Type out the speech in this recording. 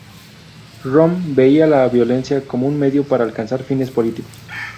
Röhm veía la violencia como un medio para alcanzar fines políticos.